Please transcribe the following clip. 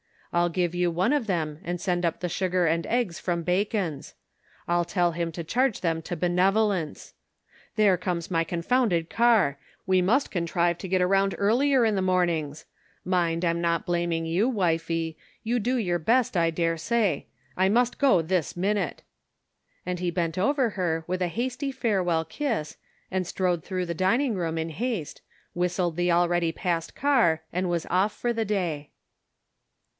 I'll give you one of them and send up the sugar and eggs from Bacon's. I'll tell him to charge them to benevolence ! There comes my confounded car. We .must contrive 52 The Pocket Measure. to get around earlier in the mornings. Mind, I'm not blaming you, wifie ; you do your best, I dare say. I must go this minute," and he bent over her with a hasty farewell kiss, and strode through the dinning room in haste, whistled the already passed car, and was off for the day.